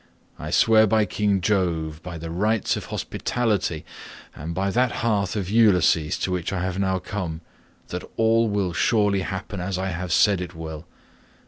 I swear by king Jove, by the rites of hospitality, and by that hearth of Ulysses to which I have now come, that all will surely happen as I have said it will.